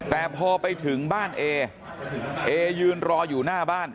แต่พอไปถึงบ้านเอเอยืนรออยู่หน้าบ้าน